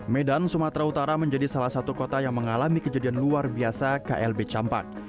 medan sumatera utara menjadi salah satu kota yang mengalami kejadian luar biasa klb campak